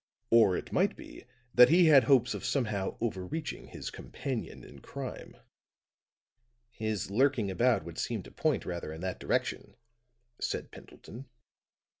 Or it might be that he had hopes of somehow over reaching his companion in crime." "His lurking about would seem to point rather in that direction," said Pendleton.